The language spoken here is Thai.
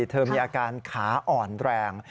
เธอมีอาการขาอ่อนแรง